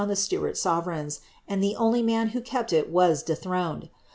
309 the Staart sovereigns, and the only man who kept it was dethroned